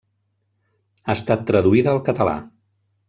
Ha estat traduïda al català.